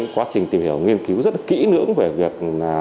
quá trình tìm hiểu nghiên cứu rất kỹ nưỡng về việc